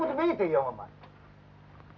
bagaimana itu tuan